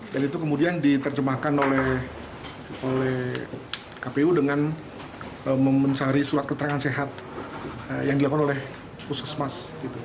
dan itu kemudian diterjemahkan oleh kpu dengan memencari surat keterangan sehat yang diakui oleh puskesmas